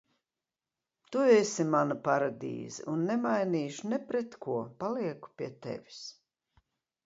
Tu esi mana paradīze un nemainīšu ne pret ko, palieku pie tevis.